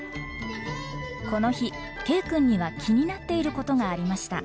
この日Ｋ君には気になっていることがありました。